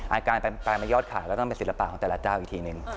การแปลมายอดขายก็ต้องเป็นศิลปะของแต่ละเจ้าอีกทีนึง